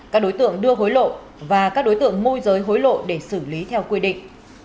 các đối tượng đưa hối lộ và các đối tượng môi giới hối lộ để xử lý theo quy định